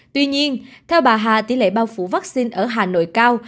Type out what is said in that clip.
tuy nhiên theo bà hà tỷ lệ bao phủ vaccine ở hà nội cao